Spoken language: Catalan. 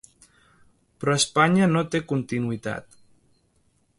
Però a Espanya no té continuïtat.